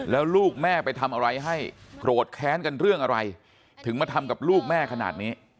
แล้วลูกแม่ไปทำอะไรให้โกรธแค้นกันเรื่องอะไรถึงมาทำกับลูกแม่ขนาดนี้